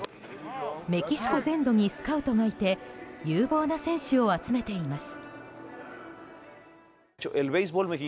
メキシコ全土にスカウトがいて有望な選手を集めています。